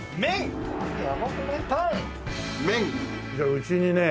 うちにね